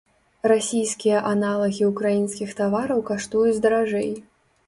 Расійскія аналагі ўкраінскіх тавараў каштуюць даражэй.